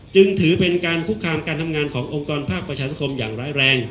จึงถือเป็นการคุกคามการทำงานขององค์กรภาคประชาสังคมอย่างร้ายแรง